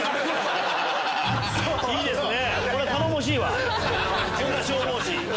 いいですね。